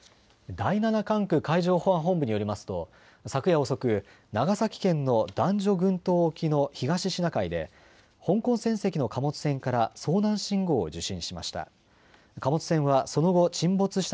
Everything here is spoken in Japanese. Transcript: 第７管区海上保安本部によりますと昨夜遅く、長崎県の男女群島沖の東シナ海で香港船籍の貨物船から遭難信号を受信しました。